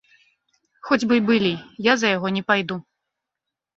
Хоць бы й былі, я за яго не пайду.